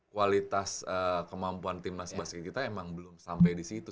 kualitas kemampuan tim nasi basket kita emang belum sampe disitu